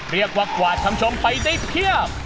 เรียกว่ากวาดคำชมไปได้เพียบ